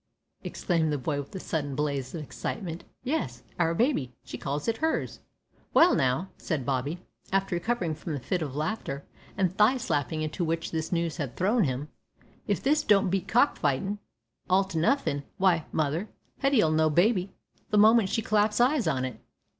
exclaimed the boy with a sudden blaze of excitement. "Yes our baby. She calls it hers!" "Well, now," said Bobby, after recovering from the fit of laughter and thigh slapping into which this news had thrown him, "if this don't beat cockfightin' all to nuffin'! why, mother, Hetty'll know baby the moment she claps eyes on it."